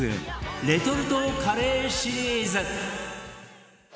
レトルトカレーシリーズ